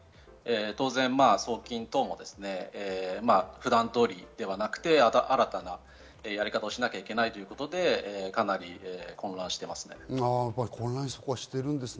当然、送金等も普段通りではなくて新たなやり方をしなきゃいけないということで、かなり混乱していますね。